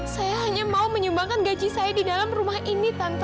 saya hanya mau menyumbangkan gaji saya di dalam rumah ini